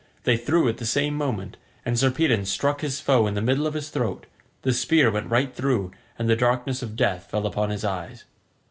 They threw at the same moment, and Sarpedon struck his foe in the middle of his throat; the spear went right through, and the darkness of death fell upon his eyes.